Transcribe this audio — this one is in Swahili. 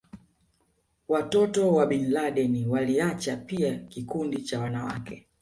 wa watoto wa Bin Laden Waliacha pia kikundi cha wanawake